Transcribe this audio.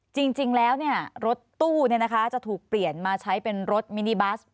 จริงแล้วรถตู้จะถูกเปลี่ยนมาใช้เป็นรถมินิบัส